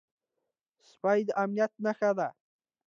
سپي د امنيت نښه ده.